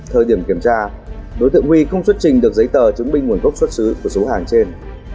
thời điểm kiểm tra đối tượng huy không xuất trình được giấy tờ chứng minh nguồn gốc xuất xứ của số hàng trên